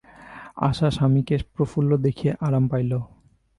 আশা স্বামীকে প্রফুল্ল দেখিয়া আরাম পাইল।